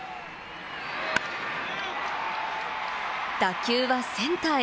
打球はセンターへ。